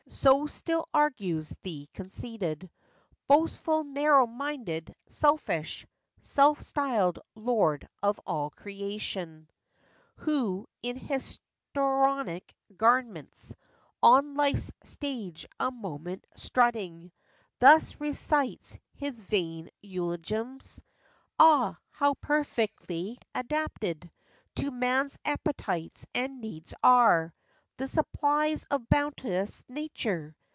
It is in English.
So still argues the conceited, Boastful, narrow minded, selfish, Self styled "lord of all creation!" FACTS AND FANCIES. 63 Who, in histrionic garments On life's stage a moment strutting, Thus recites his vain eulogiums: "Ah, how perfectly adapted To man's appetites and needs are The supplies of bounteous nature!